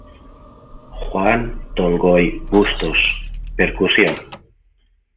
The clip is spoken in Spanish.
Juan Tongoy Bustos: Percusión.